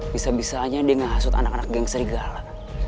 bisa bisanya dia ngasut anak anak geng serigala